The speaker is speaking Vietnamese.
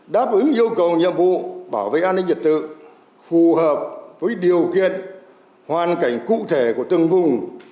đáp ứng yêu cầu nhiệm vụ bảo vệ an ninh trật tự phù hợp với điều kiện hoàn cảnh cụ thể của từng vùng